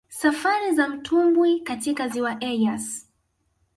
Safari za mtubwi katika Ziwa Eyasi